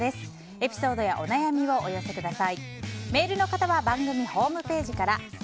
エピソードやお悩みをお寄せください。